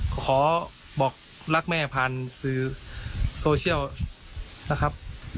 ขอบอกรักแม่ผ่านสื่อโซเชียลนะครับ